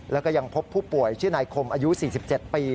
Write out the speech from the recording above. แล้วก็ยังพบผู้ป่วยชื่อนายคมอายุ๔๗ปี